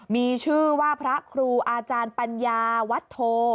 มีชื่อว่าพระครูอาจารย์ปัญญาวัตโธ